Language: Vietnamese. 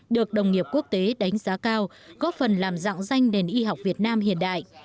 được đồng nghiệp quốc tế đánh giá cao góp phần làm dạng danh nền y học việt nam hiện đại